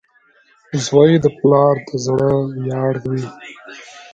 • زوی د پلار د زړۀ ویاړ وي.